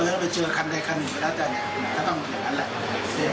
นะตะเล้ฟไปเจอคันใดเหมือนแล้วเนี้ยท่าต้องแค่อย่างนั้นแหละ